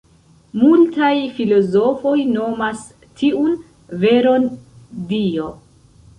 Multaj filozofoj nomas tiun veron “Dio”.